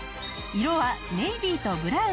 色はネイビーとブラウン。